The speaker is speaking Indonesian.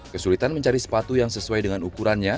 kesulitan mencari sepatu yang sesuai dengan ukurannya